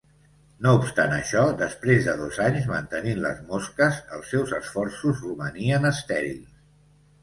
No obstant això, després de dos anys mantenint les mosques, els seus esforços romanien estèrils.